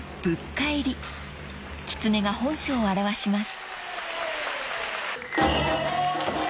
［キツネが本性を現します］